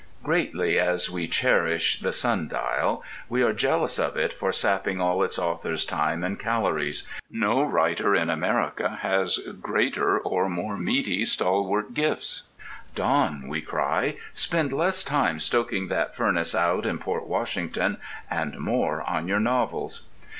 Greatly as we cherish the Sun Dial, we are jealous of it for sapping all its author's time and calories. No writer in America has greater of more meaty, stalwart gifts. Don, we cry, spend less time stoking that furnace out in Port Washington, and more on your novels!